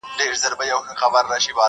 یو ناڅاپه پر یو سیوري برابر سو!!